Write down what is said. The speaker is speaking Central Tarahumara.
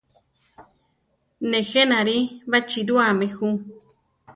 Nejé nari baʼchirúami ju.